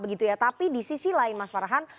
begitu ya tapi di sisi lain mas farhan